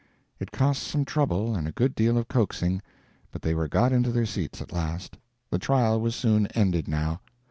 It cost some trouble and a good deal of coaxing, but they were got into their seats at last. The trial was soon ended now.